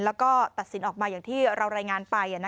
แล้วก็ตัดสินออกมาอย่างที่เรารายงานไป